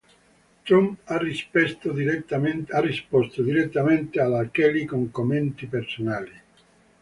Trump ha risposto direttamente alla Kelly con commenti personali.